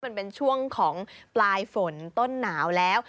มันเป็นช่วงของปลายฝนต้นหนาวแล้ว